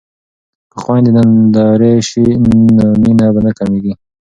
که خویندې نندرې شي نو مینه به نه کمیږي.